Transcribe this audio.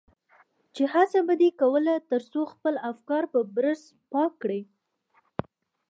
چې هڅه به دې کول تر څو خپل افکار په برس پاک کړي.